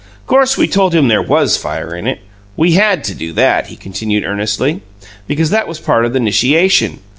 Course we told him there was fire in it. We HAD to do that," he continued earnestly, "because that was part of the 'nishiation.